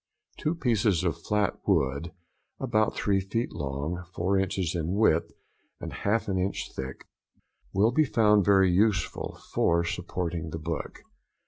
Two pieces of flat wood, about three feet long, four inches in width, and half an inch thick, will be found very useful for supporting the book.